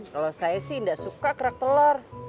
kalau saya sih nggak suka kerak telor